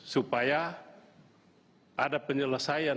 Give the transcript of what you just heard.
supaya ada penyelesaian